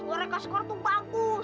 suara kak sekar tuh bagus